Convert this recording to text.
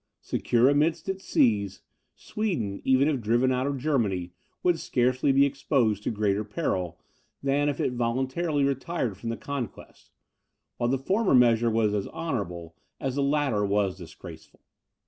Secure amidst its seas, Sweden, even if driven out of Germany, would scarcely be exposed to greater peril, than if it voluntarily retired from the contest, while the former measure was as honourable, as the latter was disgraceful.